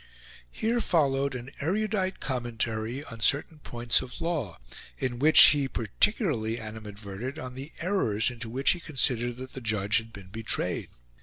Here followed an erudite commentary on certain points of law, in which he particularly animadverted on the errors into which he considered that the judge had been betrayed.